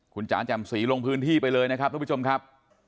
คุณจ๋าแจ่มสีลงพื้นที่ไปเลยนะครับทุกผู้ชมครับ